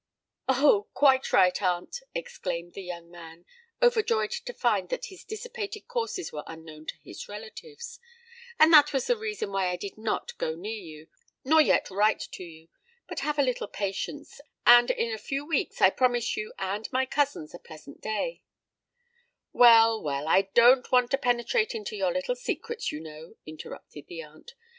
"Oh! quite right, aunt," exclaimed the young man, overjoyed to find that his dissipated courses were unknown to his relatives. "And that was the reason why I did not go near you—nor yet write to you. But have a little patience—and, in a few weeks, I promise you and my cousins a pleasant day——" "Well, well—I don't want to penetrate into your little secrets, you know," interrupted the aunt.